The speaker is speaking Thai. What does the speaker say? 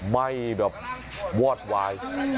ไม่แบบวอดวาย